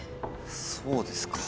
そうですか